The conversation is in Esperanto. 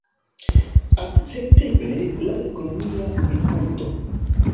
Akcepteble, laŭ ekonomia vidpunkto.